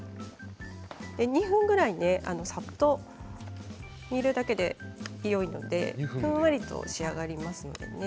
２分ぐらいねさっと煮るだけでよいのでふんわりと仕上がりますのでね。